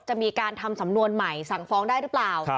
จะมีการทำสำนวนใหม่สั่งฟ้องได้หรือเปล่า